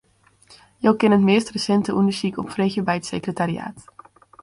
Jo kinne it meast resinte ûndersyk opfreegje by it sekretariaat.